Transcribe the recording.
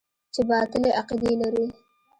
چې باطلې عقيدې لري.